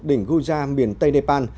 đỉnh guja miền tây nepal